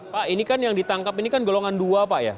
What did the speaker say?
pak ini kan yang ditangkap ini kan golongan dua pak ya